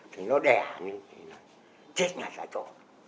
thì nó đẻ chết ngay tại chỗ